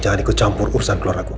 jangan ikut campur urusan keluarga